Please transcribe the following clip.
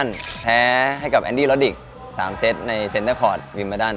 แล้วเล่นเทนนิสของผมครับ